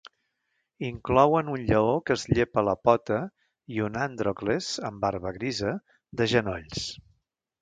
Inclouen un lleó que es llepa la pota i un Àndrocles amb barba grisa de genolls.